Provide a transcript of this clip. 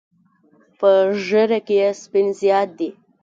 په ږیره کې یې سپین زیات دي.